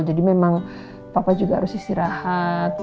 jadi memang papa juga harus istirahat